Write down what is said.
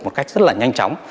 một cách rất là nhanh chóng